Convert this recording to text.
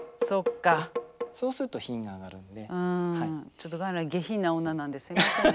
ちょっとかなり下品なオンナなんですいませんね。